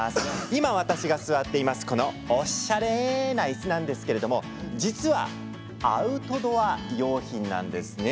今私が座っているこのおしゃれないすなんですけれども実はアウトドア用品なんですね。